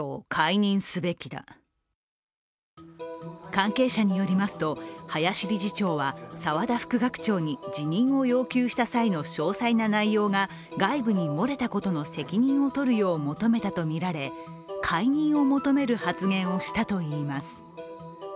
関係者によりますと林理事長は沢田副学長に辞任を要求した際の詳細な内容が外部に漏れたことの責任をとるよう求めたとみられ解任を求める発言をしたといいます。